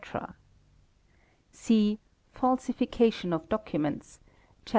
430 4, ' See "Falsification of documents," Chap.